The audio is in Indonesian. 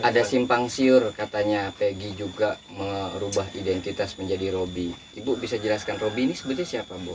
ada simpang siur katanya peggy juga merubah identitas menjadi roby ibu bisa jelaskan roby ini sebetulnya siapa bu